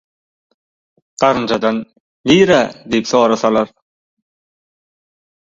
Garynjadan «Nirä?» diýip sorasalar: